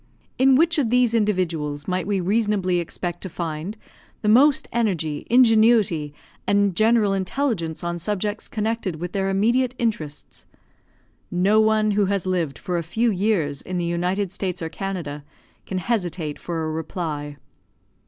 In which of these individuals might we reasonably expect to find the most energy, ingenuity, and general intelligence on subjects connected with their immediate interests? No one who has lived for a few years in the United States or Canada can hesitate for a reply.